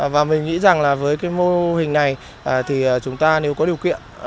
và mình nghĩ rằng là với cái mô hình này thì chúng ta nếu có điều kiện